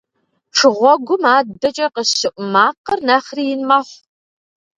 Шыгъуэгум адэкӏэ къыщыӏу макъыр нэхъри ин мэхъу.